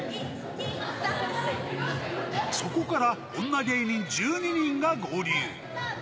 そこから女芸人１２人が合流。